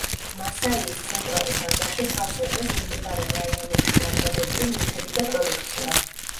მასაიის ცენტრალურ ბაზარში თავს იყრის მიმდებარე რაიონებში დამზადებული ნივთები და პროდუქცია.